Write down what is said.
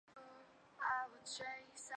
最终导致在那个位置修建修道院。